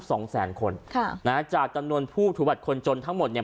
สองแสนคนค่ะนะฮะจากจำนวนผู้ถือบัตรคนจนทั้งหมดเนี่ย